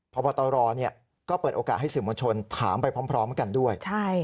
พบตรก็เปิดโอกาสให้สื่อมวลชนถามไปพร้อมกันด้วย